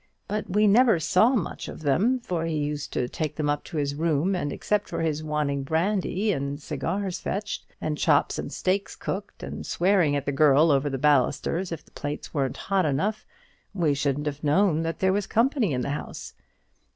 But we never saw much of them, for he used to take them up to his own room; and except for his wanting French brandy and cigars fetched, and chops and steaks cooked, and swearing at the girl over the balusters if the plates weren't hot enough, we shouldn't have known that there was company in the house.